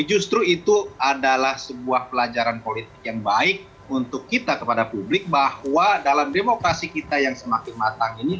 justru itu adalah sebuah pelajaran politik yang baik untuk kita kepada publik bahwa dalam demokrasi kita yang semakin matang ini